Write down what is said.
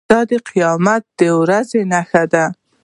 دا د قیامت د ورځې نښه ده.